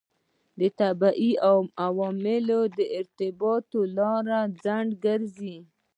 طبیعي عوامل د ارتباط لارو خنډ ګرځي.